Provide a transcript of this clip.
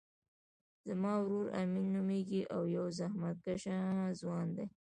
زما ورور امین نومیږی او یو زحمت کښه ځوان دی